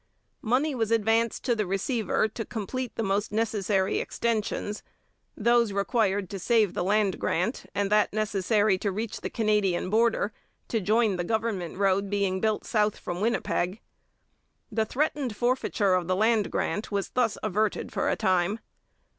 Money was advanced to the receiver to complete the most necessary extensions, those required to save the land grant and that necessary to reach the Canadian border to join the government road being built south from Winnipeg. The threatened forfeiture of the land grant was thus averted for a time.